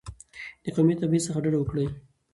د قومي تبعیض څخه ډډه وکړئ.